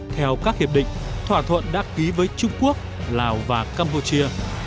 theo các hiệp định thỏa thuận đã ký với trung quốc lào và campuchia